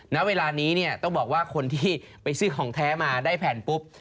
ณเวลานี้เนี่ยต้องบอกว่าคนที่ไปซื้อของแท้มาได้แผ่นปุ๊บ